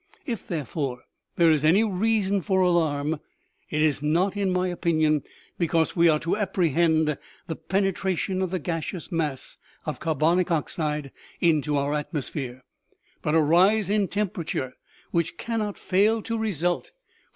" If, therefore, there is any reason for alarm, it is not, in my opinion, because we are to apprehend the penetration of the gaseous mass of carbonic oxide into our atmosphere, but a rise in temperature, which cannot fail to result from OMEGA.